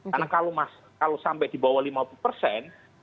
karena kalau sampai di bawah lima puluh persen